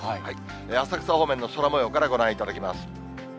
浅草方面の空もようからご覧いただきます。